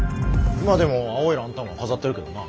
今でも青いランタンは飾ってるけどな。